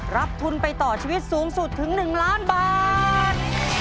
รับทุนไปต่อชีวิตสูงสุดถึง๑ล้านบาท